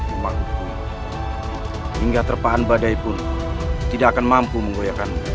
untuk menyelamatkan kita lagi